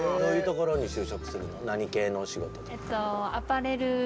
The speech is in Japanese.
何系のお仕事とか？